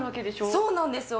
そうなんですよ。